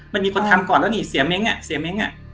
มันมีคนทำก่อนแล้วนี่เสียเม้งอ่ะเสียเม้งอ่ะ